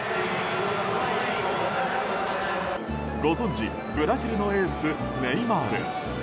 ご存じ、ブラジルのエースネイマール。